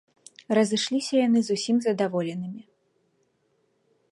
Разышліся яны зусім задаволенымі.